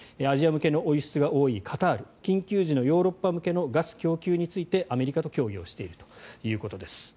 アジア向けの輸出が多いカタール緊急時のヨーロッパ向けのガス供給についてアメリカと協議しているということです。